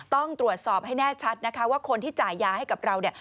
ต้องตรวจสอบให้แน่ชัดนะคะว่าคนที่จ่ายยาให้กับเราเนี่ย